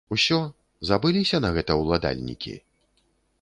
Усё, забыліся на гэта ўладальнікі?